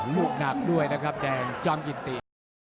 ลูกหนักด้วยนะครับแดงจ้อมยินติ